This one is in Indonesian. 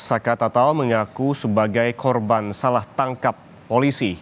saka tatal mengaku sebagai korban salah tangkap polisi